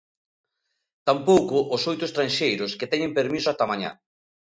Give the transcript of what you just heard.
Tampouco os oito estranxeiros, que teñen permiso ata mañá.